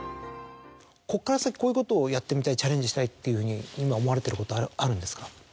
こっから先こういうことをやってみたいチャレンジしたいっていうふうに今思われてることあるんですか？